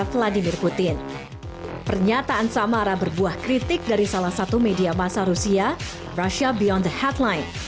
pernyataan samara berbuah kritik dari salah satu media masa rusia rusha beyond the headline